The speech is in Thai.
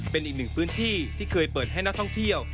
เป็นอีกหนึ่งพื้นที่ที่เคยเปิดให้นักท่องเที่ยว